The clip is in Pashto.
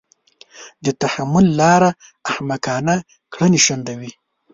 د تحمل لاره احمقانه کړنې شنډوي.